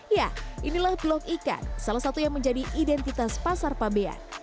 ya inilah blok ikan salah satu yang menjadi identitas pasar fabian